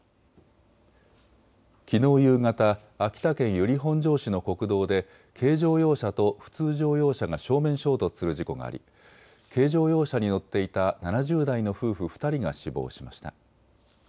きのう夕方、秋田県由利本荘市の国道で軽乗用車と普通乗用車が正面衝突する事故があり軽乗用車に乗っていた７０代の夫婦２人が死亡しました。